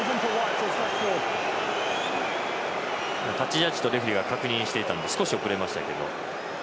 ジャッジとレフリーが確認していたので少し遅れましたが。